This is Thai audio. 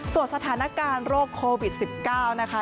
ส่วนสถานการณ์โรคโควิด๑๙นะคะ